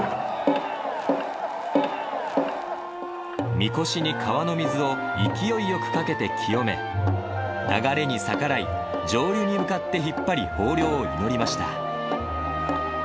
みこしに川の水を勢いよくかけて清め、流れに逆らい、上流に向かって引っ張り豊漁を祈りました。